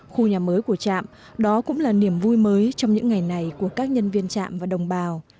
khu nhà mới của trạm đó cũng là niềm vui mới trong những ngày này của các nhân viên trạm và đồng bào